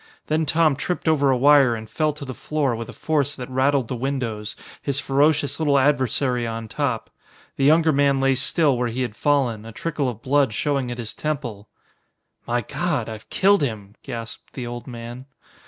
Then Tom tripped over a wire and fell to the floor with a force that rattled the windows, his ferocious little adversary on top. The younger man lay still where he had fallen, a trickle of blood showing at his temple. "My God! I've killed him!" gasped the old man.